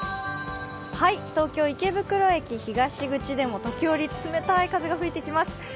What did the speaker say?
東京・池袋駅東口でも時折、冷たい風が吹いてきます。